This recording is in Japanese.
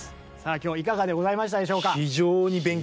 今日いかがでございましたでしょうか？